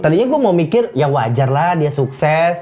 tadinya gue mau mikir ya wajar lah dia sukses